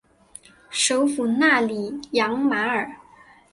首府纳里扬马尔。